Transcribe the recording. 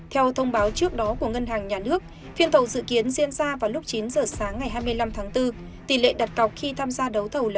theo thông báo trước đó của ngân hàng nhà nước phiên thầu dự kiến diễn ra vào lúc chín giờ sáng ngày hai mươi năm tháng bốn tỷ lệ đặt cọc khi tham gia đấu thầu lớn